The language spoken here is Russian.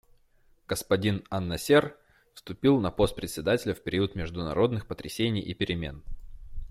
Господин ан-Насер вступил на пост Председателя в период международных потрясений и перемен.